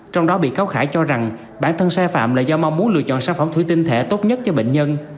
trong đó bị cáo khải cho rằng bản thân sai phạm là do mong muốn lựa chọn sản phẩm thủy tinh thể tốt nhất cho bệnh nhân